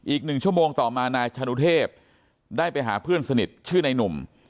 อีก๑ชั่วโมงต่อมานายชานุเทพได้ไปหาเพื่อนสนิทชื่อนายหนุ่ม